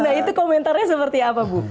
nah itu komentarnya seperti apa bu